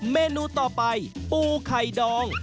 เมนูต่อไปปูไข่ดอง